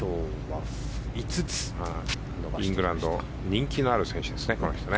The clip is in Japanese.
イングランド人気のある選手ですからね。